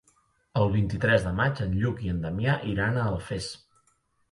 El vint-i-tres de maig en Lluc i en Damià iran a Alfés.